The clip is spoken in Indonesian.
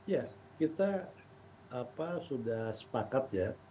ya kita sudah sepakat ya